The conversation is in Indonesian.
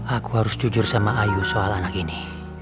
aku harus jujur sama ayu soal anak ini